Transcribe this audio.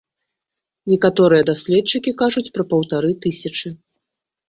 Некаторыя даследчыкі кажуць пра паўтары тысячы.